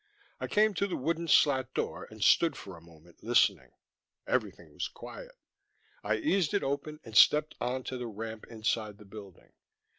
I came to the wooden slat door and stood for a moment, listening; everything was quiet. I eased it open and stepped on to the ramp inside the building.